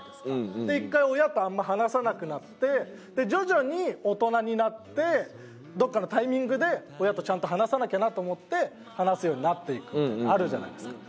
で一回親とあんま話さなくなって徐々に大人になってどこかのタイミングで親とちゃんと話さなきゃなと思って話すようになっていくっていうのあるじゃないですか。